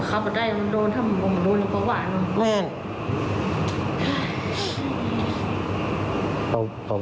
มันเข้าไปได้โดนถ้ามันโดนก็ว่าน่ะ